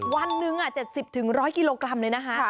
วันหนึ่ง๗๐๑๐๐กิโลกรัมเลยนะคะ